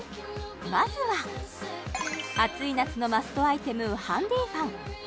まずは暑い夏のマストアイテムハンディファン